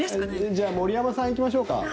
じゃあ森山さん行きましょうか。